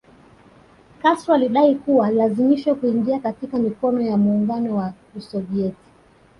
Castro alidai kuwa alilazimishwa kuingia katika mikono ya muungao wa Usovieti